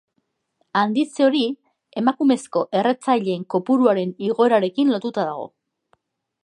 Handitze hori emakumezko erretzaileen kopuruaren igoerarekin lotuta dago.